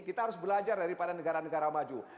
kita harus belajar daripada negara negara maju